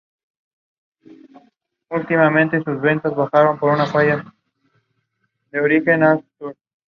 Un segundo círculo, y de gran extensión, dedicado a la labranza.